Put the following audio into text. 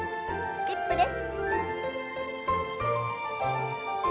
スキップです。